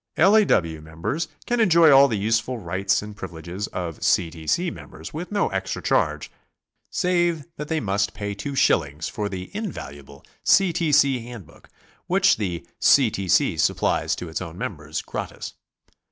L. A. W. members can enjoy all the useful rights and privileges of C. T. C. members, with no extra charge save that they must pay two shillings for the invaluable C. T. C. Hand book, which the C. T. C. supplies to its own members gratis.